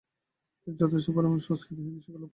তিনি যথেষ্ট পরিমাণে সংস্কৃত ও হিন্দি শিক্ষালাভ করেন।